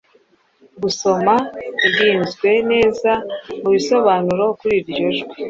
Gusoma irinzwe neza mubisobanuro kuri ryo njwi